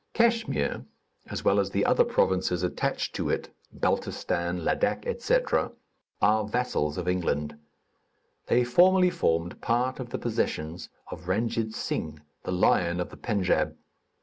Kachmyr, as well as the other provinces attached to it, Baltistan, Ladak, etc., are vassals of England. They formerly formed part of the possessions of Randjid Sing, the Lion of the Pendjab.